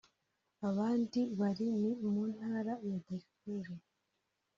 ahandi bari ni mu Ntara ya Darfur